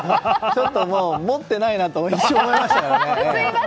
ちょっと持ってないなと一瞬思いましたよね。